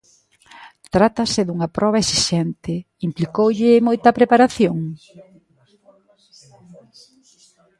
Trátase dunha proba exixente, implicoulle moita preparación?